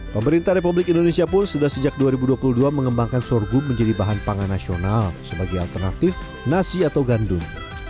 pemerintah republik indonesia pun sudah sejak dua ribu dua puluh dua mengembangkan sorghum menjadi bahan pangan nasional sebagai alternatif nasi atau gandum